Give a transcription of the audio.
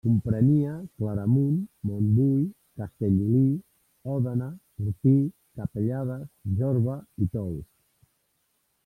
Comprenia Claramunt, Montbui, Castellolí, Òdena, Orpí, Capellades, Jorba i Tous.